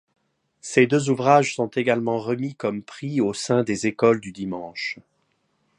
Ces deux ouvrages sont également remis comme prix au sein des écoles du dimanche.